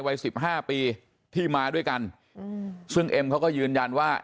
วัย๑๕ปีที่มาด้วยกันซึ่งเอ็มเค้าก็ยืนยันว่า